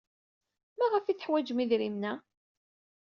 Maɣef ay teḥwajem idrimen-a?